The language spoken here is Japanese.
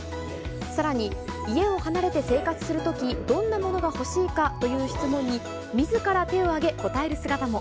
さらに、家を離れて生活するとき、どんなものが欲しいかという質問に、みずから手を挙げ、答える姿も。